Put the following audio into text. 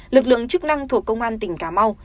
lực lượng chức năng thuộc công an tỉnh cà mau